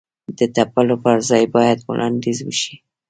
د تپلو پر ځای باید وړاندیز وشي.